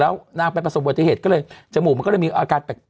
แล้วนางไปประสบบัติเหตุก็เลยจมูกมันก็เลยมีอาการแปลก